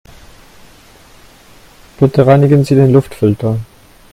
Bitte reinigen Sie den Luftfilter.